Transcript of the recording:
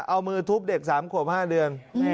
เอามือทุบเด็ก๓ขวบ๕เดือน